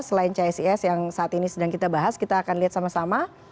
selain csis yang saat ini sedang kita bahas kita akan lihat sama sama